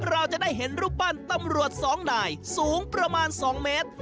เราจะได้เห็นรูปปั้นตำรวจสองนายสูงประมาณ๒เมตร